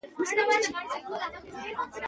پاک ژوند د نشې څخه لرې ژوند دی.